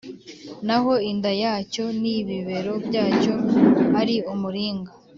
naho inda yacyo n’ ibibero byacyo ari umuringa